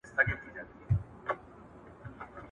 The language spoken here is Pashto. په څپو کي ستا غوټې مي وې لیدلي `